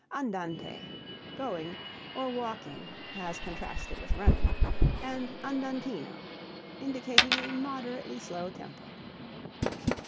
Andante (going, or walking, as contrasted with running) and andantino indicating a moderately slow tempo.